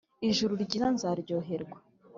ijuru ryiza nzaryoherwa